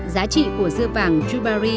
giá trị của dưa vàng yubari